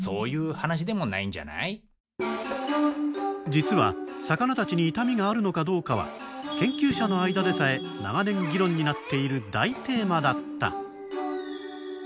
実は魚たちに痛みがあるのかどうかは研究者の間でさえ長年議論になっている大テーマだった！